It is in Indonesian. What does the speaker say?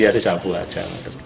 iya disapu saja